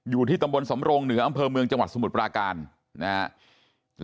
อยู่ที่ตำบลสำรงเหนืออำเภอเมืองจังหวัดสมุทรปราการนะครับ